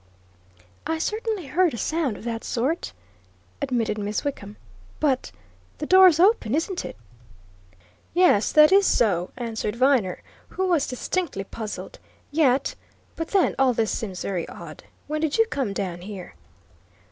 "I certainly heard a sound of that sort," admitted Miss Wickham. "But the door's open, isn't it?" "Yes that is so," answered Viner, who was distinctly puzzled. "Yet but then, all this seems very odd. When did you come down here?"